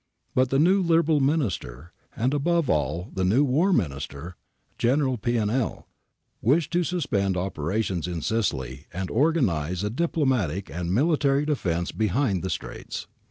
But the new Liberal Ministry, and above all the new War Minister, General Pianell, wished to suspend operations in Sicily and organize a diplomatic and military defence behind the Straits.